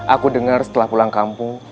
aku dengar setelah pulang kampung